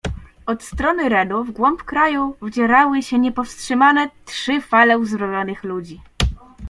"Od strony Renu wgłąb kraju wdzierały się niepowstrzymane trzy fale uzbrojonych ludzi."